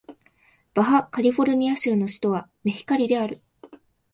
バハ・カリフォルニア州の州都はメヒカリである